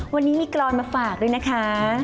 วันนี้ก็มีเกอร์นมาฝากเลยนะคะ